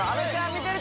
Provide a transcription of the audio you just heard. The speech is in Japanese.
見てる？